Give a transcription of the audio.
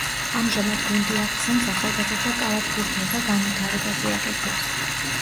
ამჟამად გუნდი აქცენტს ახალგაზრდა კალათბურთელთა განვითარებაზე აკეთებს.